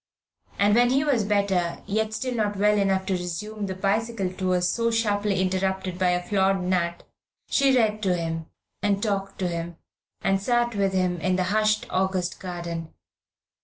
And when he was better, yet still not well enough to resume the bicycle tour so sharply interrupted by a flawed nut, she read to him, and talked to him, and sat with him in the hushed August garden.